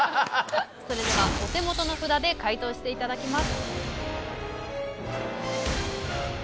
それではお手元の札で解答していただきます。